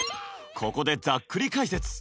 ここでざっくり解説！